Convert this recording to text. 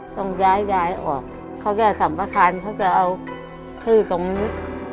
ต้องย้ายยายออกเขาจะสัมประธานเขาก็เอาชื่อตรงนี้